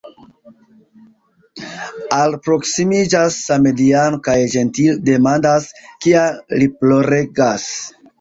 Alproksimiĝas samideano kaj ĝentile demandas, kial li ploregas.